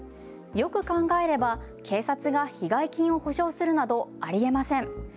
よく考えれば警察が被害金を補償するなどありえません。